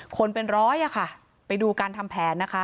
คนเป็นร้อยอะค่ะไปดูการทำแผนนะคะ